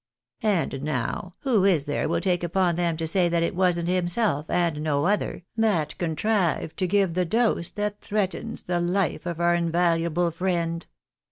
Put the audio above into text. And now, who is there will take upon them to say that it wasn't himself, and no other, that contrived to get the dose that threatens the life of our invaluable friend